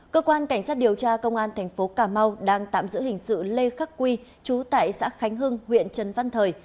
cơ quan cảnh sát điều tra công an thành phố cà mau đang tạm giữ hình sự lê khắc quy chú tại xã khánh hưng huyện trần văn thời